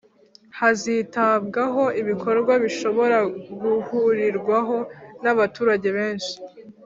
hazitabwaho ibikorwa bishobora guhurirwaho n'abaturage benshi